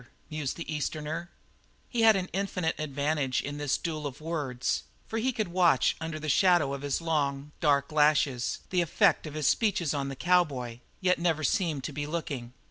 mused the Easterner. He had an infinite advantage in this duel of words, for he could watch from under the shadow of his long, dark lashes the effect of his speeches on the cowboy, yet never seem to be looking.